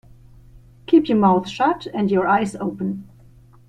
Keep your mouth shut and your eyes open.